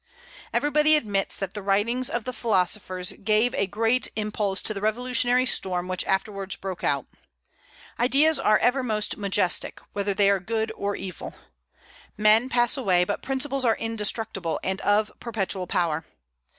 Everybody admits that the writings of the philosophers gave a great impulse to the revolutionary storm which afterwards broke out. Ideas are ever most majestic, whether they are good or evil. Men pass away, but principles are indestructible and of perpetual power.